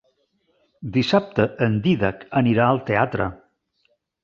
Dissabte en Dídac anirà al teatre.